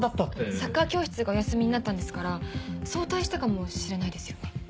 サッカー教室がお休みになったんですから早退したかもしれないですよね。